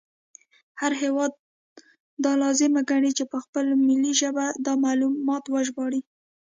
هر هیواد دا لازمه ګڼي چې په خپله ملي ژبه دا معلومات وژباړي